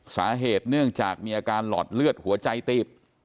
สาเหตุเนื่องจากมีอาการหลอดเลือดหัวใจตีบ